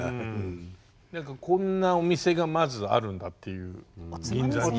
何かこんなお店がまずあるんだっていう銀座に。